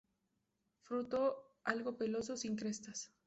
Fruto algo peloso, sin crestas.